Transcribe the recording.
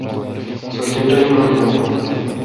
سو گیہ ٹئم رل یوں۔